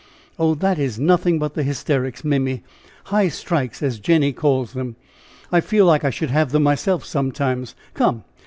"Oh! that is nothing but the hysterics, Mimmy! 'high strikes,' as Jenny calls them! I feel like I should have them myself sometimes! Come!